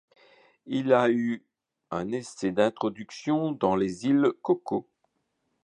Il y a eu un essai d'introduction dans les îles Cocos.